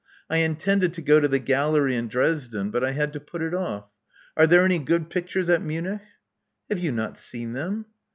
I intended to go to the gallery in Dresden ; but I had to put it off. Are there any good pictures at Munich?" '*Have you not seen them?"